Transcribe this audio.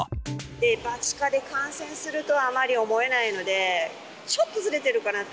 デパ地下で感染するとはあまり思えないので、ちょっとずれてるかなって。